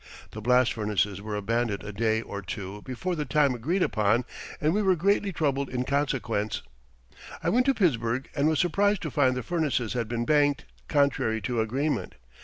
The blast furnaces were abandoned a day or two before the time agreed upon, and we were greatly troubled in consequence. I went to Pittsburgh and was surprised to find the furnaces had been banked, contrary to agreement.